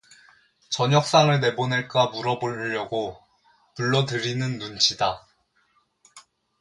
저녁상을 내보낼까 물어 보려고 불러들이는 눈치다.